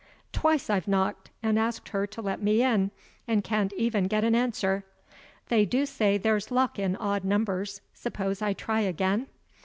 Twice I've knocked, and asked her to let me in, and can't even get an answer. They do say there's luck in odd numbers; suppose I try again?"